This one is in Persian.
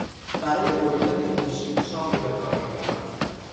برای بریدن گوشت چاقو به کار میبرم.